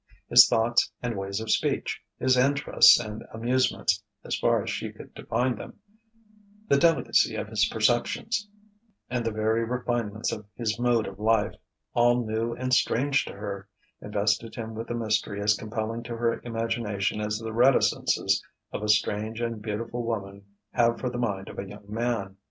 His thoughts and ways of speech, his interests and amusements (as far as she could divine them) the delicacy of his perceptions, and the very refinements of his mode of life, all new and strange to her, invested him with a mystery as compelling to her imagination as the reticences of a strange and beautiful woman have for the mind of a young man.